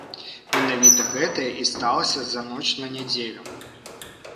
Менавіта гэтае і сталася за ноч на нядзелю.